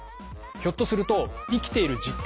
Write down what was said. ひょっとすると生きている実感